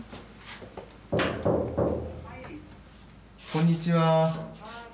こんにちは。